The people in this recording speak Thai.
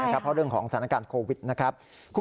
เพราะเรื่องของสถานการณ์โควิดนะครับ